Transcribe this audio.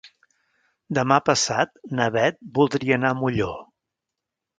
Demà passat na Beth voldria anar a Molló.